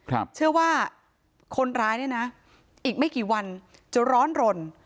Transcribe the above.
เชื่อว่าคนร้ายเนี่ยนะอีกไม่กี่วันจะร้อนรน